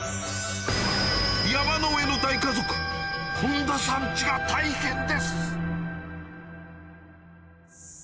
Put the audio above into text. ⁉山の上の大家族本多さんチが大変です！